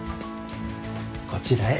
こちらへ。